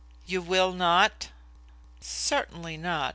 "You will not?" "Certainly not.